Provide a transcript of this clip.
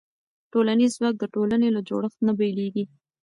ټولنیز ځواک د ټولنې له جوړښت نه بېلېږي.